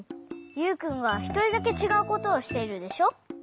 ユウくんがひとりだけちがうことをしているでしょ？